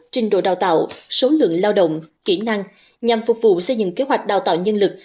trình độ đào tạo số lượng lao động kỹ năng nhằm phục vụ xây dựng kế hoạch đào tạo nhân lực